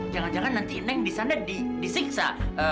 jangan jangan nanti neng disana disiksa